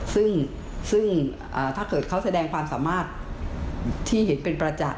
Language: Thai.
ซึ่งถ้าเกิดเขาแสดงความสามารถที่เห็นเป็นประจักษ์